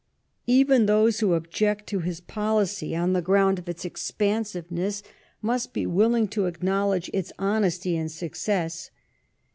Even those who object to his policy on the ground of its expensiveness, must be willing to acknowledge its honesty and success.